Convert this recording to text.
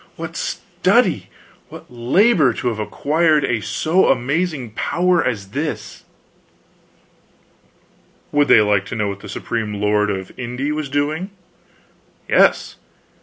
"What study, what labor, to have acquired a so amazing power as this!" Would they like to know what the Supreme Lord of Inde was doing? Yes.